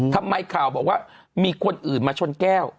ข่าวบอกว่ามีคนอื่นมาชนแก้ว